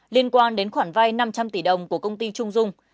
liên quan đến khoản vay năm trăm linh tỷ đồng của công ty trung dung